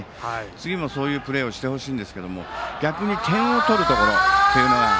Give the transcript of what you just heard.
次も、そういうプレーをしてほしいんですけれども逆に、点を取るところ。